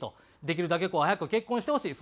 できるだけ早く結婚してほしい。